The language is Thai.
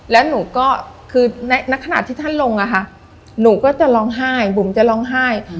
แล้วหนูก็คือในขณะที่ท่านลงอะค่ะหนูก็จะร้องไห้บุ๋มจะร้องไห้